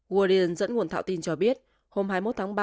wardian dẫn nguồn thạo tin cho biết hôm hai mươi một tháng ba